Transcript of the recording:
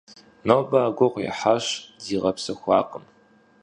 Нобэ ар гугъу ехьащ, зигъэпсэхуакъым.